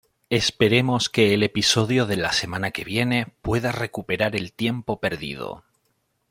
Esperemos que el episodio de la semana que viene pueda recuperar el tiempo perdido".